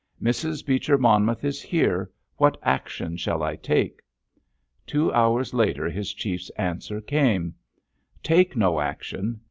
Mrs. Beecher Monmouth is here. What action shall I take? Two hours later his Chief's answer came. _Take no action.